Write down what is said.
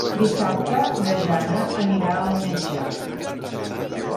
Dissabte na Jana anirà al metge.